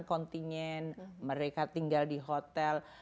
kontingen mereka tinggal di hotel